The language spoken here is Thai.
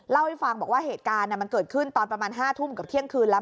เล่าให้ฟังบอกว่าเหตุการณ์มันเกิดขึ้นตอนประมาณ๕ทุ่มกับเที่ยงคืนแล้ว